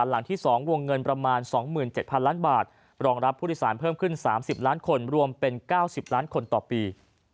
หลังที่๒วงเงินประมาณ๒๗๐๐ล้านบาทรองรับผู้โดยสารเพิ่มขึ้น๓๐ล้านคนรวมเป็น๙๐ล้านคนต่อปี